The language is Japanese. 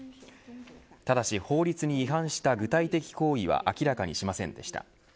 ただし法律に違反した具体的行為は明らかにしませんでした。